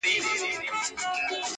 خره غوږونه ښوروله بې پروا وو!!